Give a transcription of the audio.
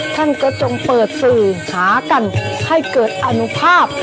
ท่านก็จงเปิดสื่อหากันให้เกิดอนุภาพ